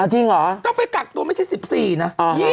อ๋อจริงเหรอต้องไปกักตัวไม่ใช่๑๔นะ๒๑อ๋อ